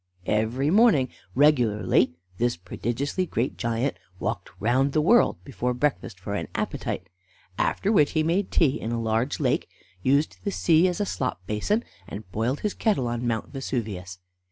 Every morning regularly this prodigiously great giant walked round the world before breakfast for an appetite, after which he made tea in a large lake, used the sea as a slop basin, and boiled his kettle on Mount Vesuvius.